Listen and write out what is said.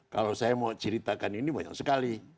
kalau saya mau ceritakan ini banyak sekali